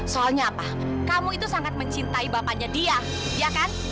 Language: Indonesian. soalnya apa kamu itu sangat mencintai bapaknya dia ya kan